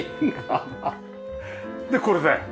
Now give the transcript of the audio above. でこれだよ。